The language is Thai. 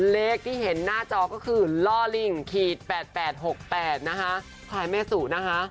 เลขที่เห็นหน้าจอก็คือล่อลิ่ง๘๘๖๘ท้ายแม่สูตร